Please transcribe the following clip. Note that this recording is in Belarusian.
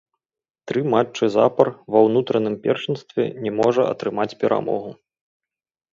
Тры матчы запар ва ўнутраным першынстве не можа атрымаць перамогу.